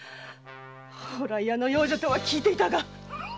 宝来屋の養女とは聞いていたが。